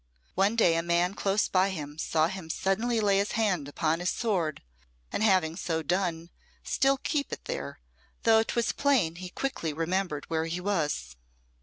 One day a man close by him saw him suddenly lay his hand upon his sword, and having so done, still keep it there, though 'twas plain he quickly remembered where he was.